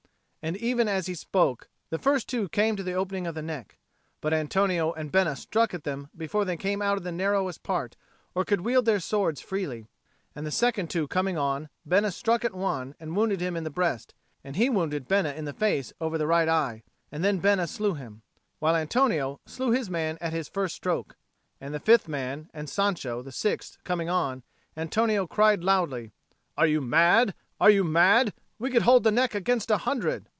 And even as he spoke the first two came to the opening of the neck. But Antonio and Bena struck at them before they came out of the narrowest part or could wield their swords freely; and the second two coming on, Bena struck at one and wounded him in the breast, and he wounded Bena in the face over the right eye, and then Bena slew him; while Antonio slew his man at his first stroke. And the fifth man and Sancho, the sixth, coming on, Antonio cried loudly, "Are you mad, are you mad? We could hold the neck against a hundred."